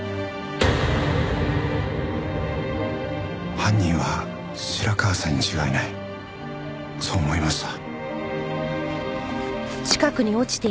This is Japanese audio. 犯人は白川さんに違いない。そう思いました。